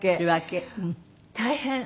大変。